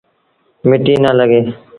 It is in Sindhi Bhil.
مٽيٚ نا لڳي